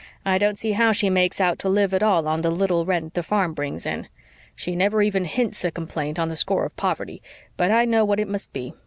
I don't see how she makes out to live at all on the little rent the farm brings in. She never even hints a complaint on the score of poverty, but I know what it must be.